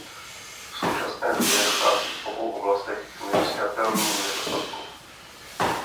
V současné době dochází v obou oblastech k nepřijatelným nedostatkům.